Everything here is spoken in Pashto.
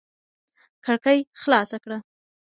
کړکۍ خلاصه کړه.